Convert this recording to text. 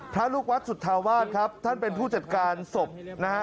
ลูกวัดสุธาวาสครับท่านเป็นผู้จัดการศพนะฮะ